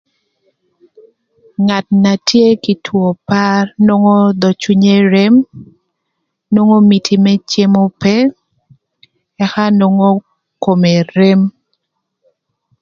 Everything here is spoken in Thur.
Ngat na tye kï two para nwongo dhö cwinye rem nwongo miti me cem ope ëka nwongo kome rem.